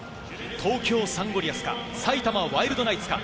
東京サンゴリアスか、埼玉ワイルドナイツか。